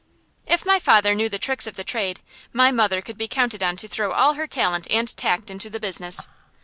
If my father knew the tricks of the trade, my mother could be counted on to throw all her talent and tact into the business.